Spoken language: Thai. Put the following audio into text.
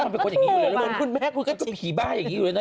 ก็พูดว่าคุณแม่คุณก็จะผีบ้าอย่างงี้อยู่เนอะ